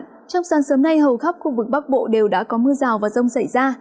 trong sáng sớm nay hầu khắp khu vực bắc bộ đều đã có mưa rào và rông xảy ra